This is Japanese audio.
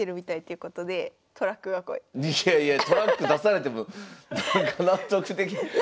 いやいやトラック出されても納得できへん。